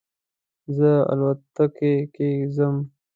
زه الوتکې کې ځم